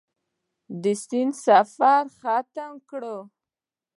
د سیند سفر ختم کړ.